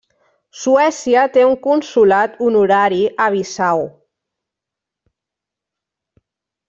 Suècia té un consolat honorari a Bissau.